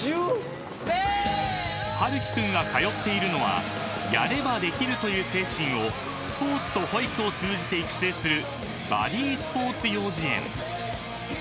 ［陽樹君が通っているのはやればできるという精神をスポーツと保育を通じて育成する］